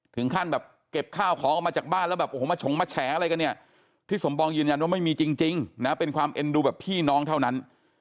ถึงขั้นแบบเก็บข้าวของออกมาจากบ้านแล้วแบบโอ้โหมาฉงมาแฉอะไรกันเนี่ยที่สมปองยืนยันว่าไม่มีจริงนะเป็นความเอ็นดูแบบพี่น้องเท่านั้น